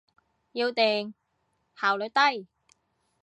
要電，效率低。